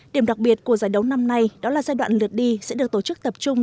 điểm đặc biệt của giải đấu năm nay đó là giai đoạn lượt đi sẽ được tổ chức tập trung